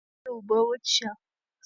که تنده دې وي نو یخې اوبه وڅښه.